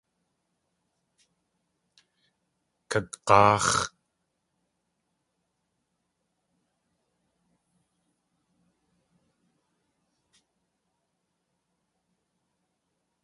Gag̲aax̲!